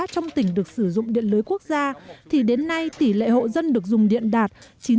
trong tỉnh được sử dụng điện lưới quốc gia thì đến nay tỷ lệ hộ dân được dùng điện đạt chín mươi